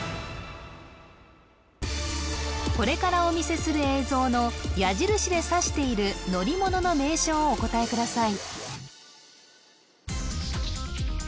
これからお見せする映像の矢印でさしている乗り物の名称をお答えください